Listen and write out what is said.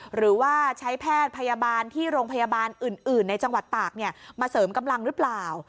หรือว่าใช้แพทย์พยาบาลที่โรงพยาบาลอื่นในจังหวัดตากมาเสริมกำลังหรือเปล่า